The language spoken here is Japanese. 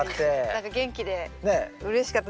何か元気でうれしかった。